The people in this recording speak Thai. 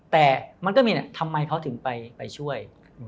แต่มันก็มีทำไมเขาถึงไปช่วย